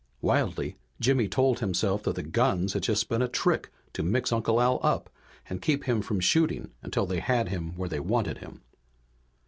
Wildly Jimmy told himself that the guns had been just a trick to mix Uncle Al up, and keep him from shooting until they had him where they wanted him.